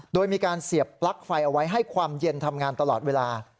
โดยมีการเสียบปลั๊กไฟเอาไว้ให้ความเย็นทำงานตลอดเวลา